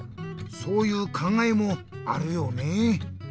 そういうかんがえもあるよね。